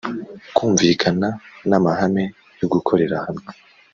kumvikana n’amahame yo gukorera hamwe